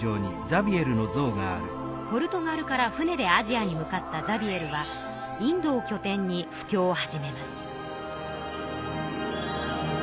ポルトガルから船でアジアに向かったザビエルはインドをきょ点に布教を始めます。